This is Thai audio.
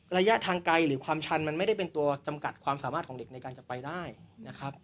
ระยะทางไกลหรือความชันมันไม่ได้เป็นตัวจำกัดความสามารถของเด็กในการจะไปได้นะครับ